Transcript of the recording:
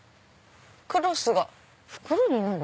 「クロスが袋になる？？